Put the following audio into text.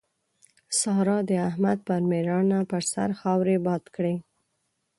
سارا د احمد پر ميړانه پر سر خاورې باد کړې.